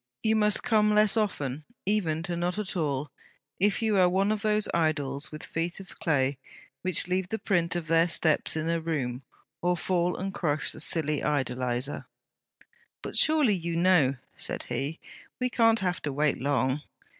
You must come less often; even to not at all, if you are one of those idols with feet of clay which leave the print of their steps in a room; or fall and crush the silly idolizer.' 'But surely you know...' said he. 'We can't have to wait long.'